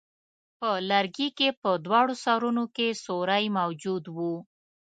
په لرګي کې په دواړو سرونو کې سوری موجود وو.